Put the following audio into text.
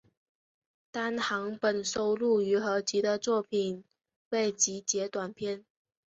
单行本收录于合集的作品未集结短篇